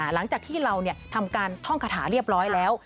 หลังจากที่เราทำการท่องคาถาเรียบร้อยแล้ว